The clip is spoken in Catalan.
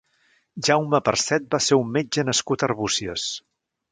Jaume Parcet va ser un metge nascut a Arbúcies.